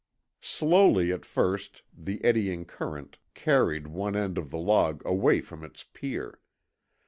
Slowly at first the eddying current carried one end of the log away from its pier.